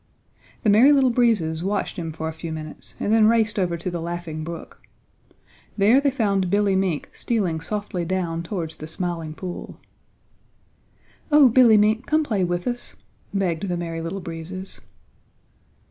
The Merry Little Breezes watched him for a few minutes and then raced over to the Laughing Brook. There they found Billy Mink stealing softly down towards the Smiling Pool. "Oh, Billy Mink, come play with us," begged the Merry Little Breezes.